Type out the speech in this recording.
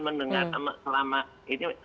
mendengar selama ini